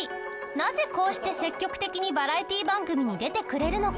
なぜこうして積極的にバラエティ番組に出てくれるのか？